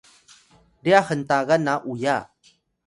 ryax hntagan na uya